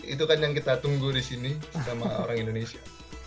itu kan yang kita tunggu di sini sama orang indonesia